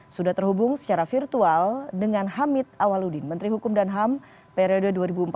sudah terhubung secara virtual dengan hamid awaludin menteri hukum dan ham periode dua ribu empat belas dua ribu dua